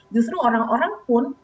justru orang orang pun